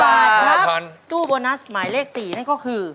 โบนัสหลังตู้หมายเลข๔นั่นก็คือ